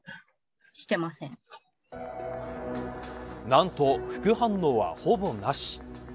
何と、副反応はほぼなし。